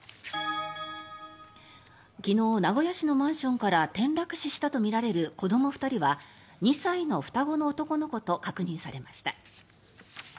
昨日、名古屋市のマンションから転落死したとみられる子ども２人は２歳の双子の男の子と確認されました。